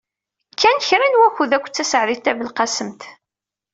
Kkan kra n wakud akked Taseɛdit Tabelqasemt.